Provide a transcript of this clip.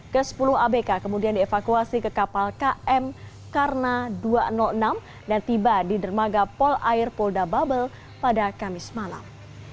ke sepuluh abk kemudian dievakuasi ke kapal km karna dua ratus enam dan tiba di dermaga pol air polda bubble pada kamis malam